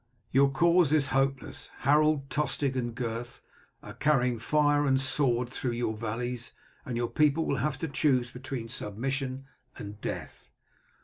"Your cause is hopeless. Harold, Tostig, and Gurth are carrying fire and sword through your valleys, and your people will have to choose between submission and death.